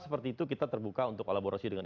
seperti itu kita terbuka untuk kolaborasi dengan